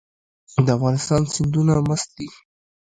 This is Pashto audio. د افغانستان سیندونه مست دي